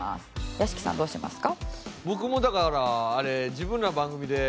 屋敷さんどうしますか？